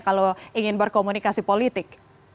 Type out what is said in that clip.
kalau ingin berkomunikasi politik